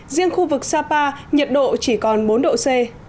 riêng khu vực sapa nhiệt độ chỉ còn bốn độ c